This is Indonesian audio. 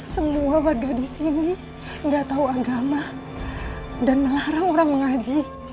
semua warga di sini nggak tahu agama dan melarang orang mengaji